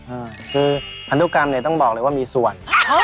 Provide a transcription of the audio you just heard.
โอ้โหใช่พันธุกรรมต้องบอกเลยว่ามีส่วน